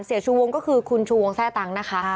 ชูวงก็คือคุณชูวงแทร่ตังนะคะ